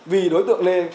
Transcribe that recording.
vì đối tượng lê quỳnh trang